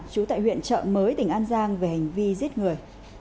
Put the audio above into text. trú tại huyện trợ mới tỉnh an giang về hành vi giết người